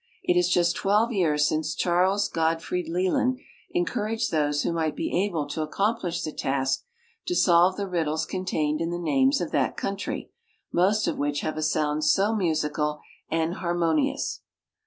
It is just twelve years since Charles CJodfrey Leland encouraged those who might be alile to accomplish the task to solve the riddles contained in the names of that country, most of which have a sound so musical and harmonious.